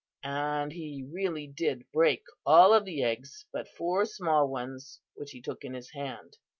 "And he really did break all of the eggs but four small ones which he took in his hand.